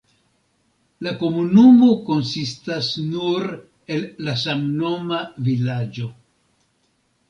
La komunumo konsistas nur el la samnoma vilaĝo.